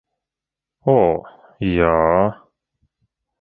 O, jā.